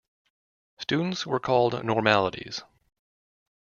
Students were called "Normalites".